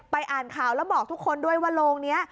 อ่านข่าวแล้วบอกทุกคนด้วยว่าโรงนี้